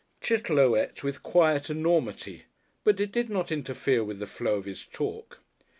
Chitterlow ate with quiet enormity, but it did not interfere with the flow of his talk.